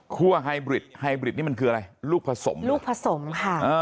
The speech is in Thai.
ั่วไฮบริดไฮบริดนี่มันคืออะไรลูกผสมลูกผสมค่ะ